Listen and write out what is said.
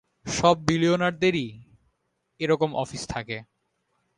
সব বিলিয়নিয়ারদেরই এরকম অফিস থাকে।